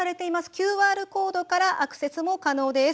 ＱＲコードからアクセスも可能です。